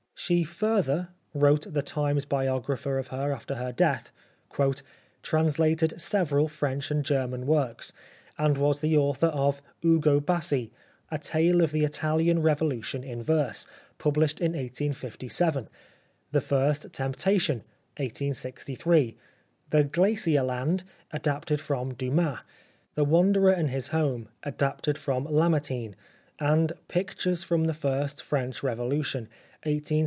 She further," wrote The Times biographer of her after her death, " translated several French and German works, and was the author of ' Ugo Bassi,' a tale of the Italian Revolution in verse, published in 1857 ;' The First Tempta tion,' 1863 ;' The Glacier Land,' adapted from Dumas ;* The Wanderer and his Home,' adapted from Lamartine ; and ' Pictures from the First French Revolution,' 1865 1875.